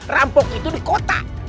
rampok itu dikota